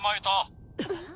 えっ？